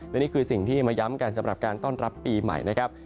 และนี่คือสิ่งที่มาย้ำกันสำหรับการต้อนรับปีใหม่นะครับ